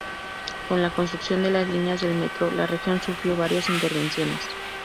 Con la construcción de las líneas del metro, la región sufrió varias intervenciones.